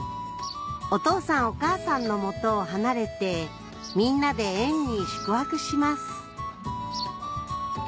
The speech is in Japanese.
お父さんお母さんの元を離れてみんなで園に宿泊します